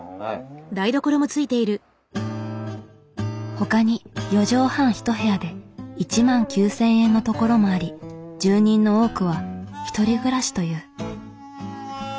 ほかに４畳半１部屋で１万９，０００円のところもあり住人の多くは１人暮らしという。